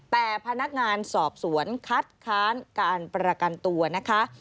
แต่พนักงานสอบสวนคัดค้านการประกันตัวนะคะ